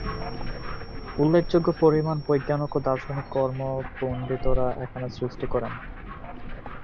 উল্লেখযোগ্য পরিমাণ বৈজ্ঞানিক ও দার্শনিক কর্ম পণ্ডিতরা এখানে সৃষ্টি করেন।